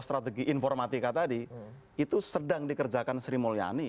strategi informatika tadi itu sedang dikerjakan sri mulyani